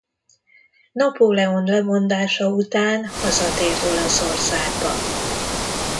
Napóleon lemondása után hazatért Olaszországba.